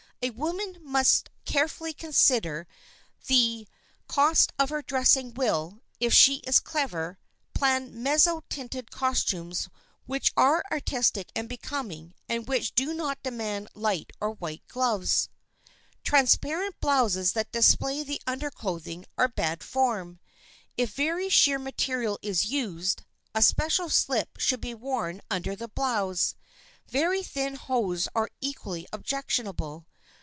A woman who must carefully consider the cost of her dressing will, if she is clever, plan mezzo tinted costumes which are artistic and becoming and which do not demand light or white gloves. Transparent blouses that display the under clothing are bad form. If very sheer material is used, a special slip should be worn under the blouse. Very thin hose are equally objectionable.